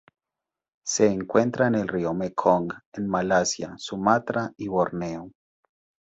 Se encuentra en el río Mekong, en Malasia, Sumatra y Borneo.